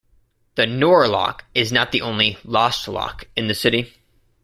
The Nor Loch is not the only "lost loch" in the city.